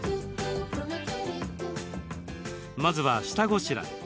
まずは下ごしらえ。